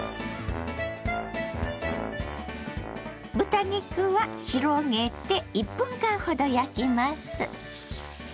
豚肉は広げて１分間ほど焼きます。